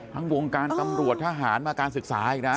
ทั้งวงการตำรวจทหารมาการศึกษาหุย